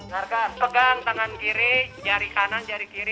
harga pegang tangan kiri jari kanan jari kiri